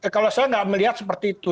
kalau saya nggak melihat seperti itu